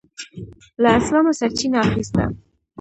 له اسلامه سرچینه اخیسته.